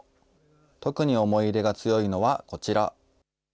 特に思い入れが強いのは、こちら。